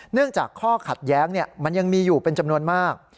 เนื่องจากข้อขัดแย้งมันยังมีอยู่เป็นจำนวนมาก